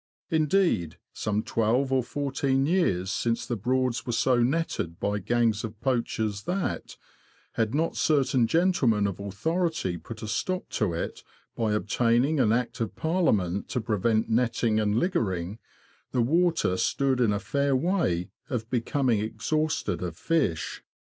Indeed, some twelve or fourteen years since the Broads^ were so netted by gangs of poachers that, had not certain gentlemen of authority put a stop to it by obtaining an Act of Parliament to prevent netting and liggering, the water stood in a fair way of becoming exhausted of fish.